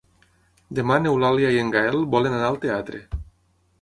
Demà n'Eulàlia i en Gaël volen anar al teatre.